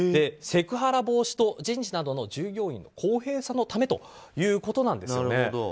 セクハラ防止と人事などの従業員の公平さのためということなんですよね。